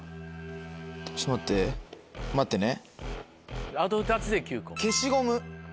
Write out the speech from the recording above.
ちょっと待って待ってね。